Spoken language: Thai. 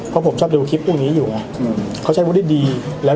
เพราะผมชอบดูคลิปพวกนี้อยู่ไงเขาใช้วุฒิดี